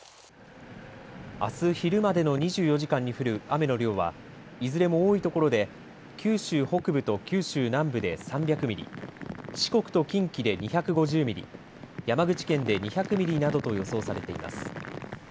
あす昼までの２４時間に降る雨の量はいずれも多いところで九州北部と九州南部で３００ミリ、四国と近畿で２５０ミリ、山口県で２００ミリなどと予想されています。